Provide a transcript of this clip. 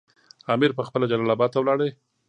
امیر پخپله جلال اباد ته ولاړ.